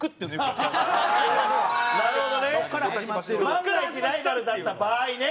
万が一ライバルだった場合ね。